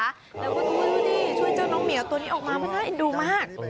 แล้วก็ดูดิช่วยเจ้าน้องเหมียวตัวนี้ออกมามันน่าเอ็นดูมาก